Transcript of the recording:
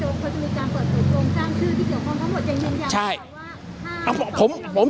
อาทิตย์โจ๊กคนที่มีการปลอดภัยโจรงสร้างชื่อที่เกี่ยวของเขาหมดอย่างเดียว